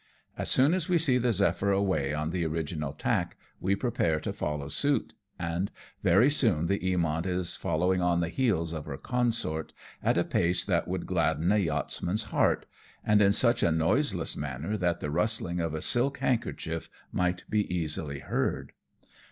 As soon as we see the Zephyr away on the original tack, we prepare to follow suit, and very soon the Eamont is following on the heels of her consort, at a pace that would gladden a yachtsman's heart, and in such a noiseless manner that the rustling of a silk handkerchief might be easily heard.